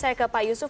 saya ke pak yusuf